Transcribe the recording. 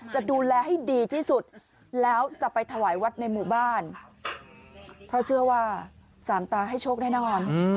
จะดูแลให้ดีที่สุดแล้วจะไปถวายวัดในหมู่บ้านเพราะเชื่อว่าสามตาให้โชคแน่นอน